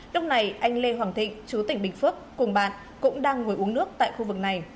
lúc này anh lê hoàng thịnh chú tỉnh bình phước cùng bạn cũng đang ngồi uống nước tại khu vực này